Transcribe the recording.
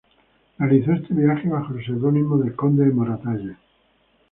Realizó este viaje bajo el pseudónimo de conde de Moratalla.